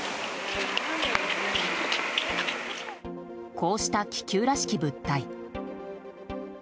こうした気球らしき物体。